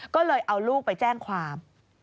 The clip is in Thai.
ก็เลยเอาลูกไปแจ้งความ